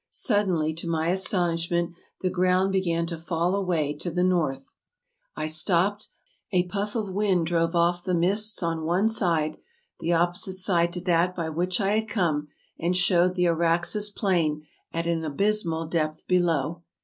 Suddenly to my astonishment the ground began to fall away to the north; 282 TRAVELERS AND EXPLORERS I stopped; a puff of wind drove off the mists on one side, the opposite side to that by which I had come, and showed the Araxes plain at an abysmal depth below.